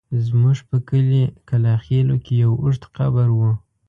زموږ په کلي کلاخېلو کې يو اوږد قبر و.